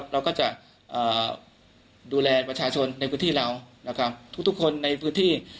เราก็จะดูแลประชาชนในพื้นที่เราทุกคนในพื้นที่